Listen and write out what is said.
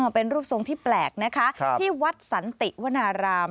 เป็นรูปทรงที่แปลกนะคะที่วัดสันติวนาราม